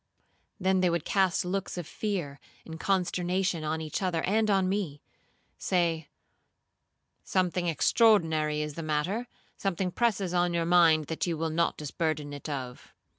Then they would cast looks of fear and consternation on each other and on me; say, 'Something extraordinary is the matter,—something presses on your mind that you will not disburden it of.'